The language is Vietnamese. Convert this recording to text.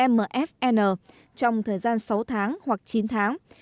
mfn trong thời gian sáu tháng hoặc chín tháng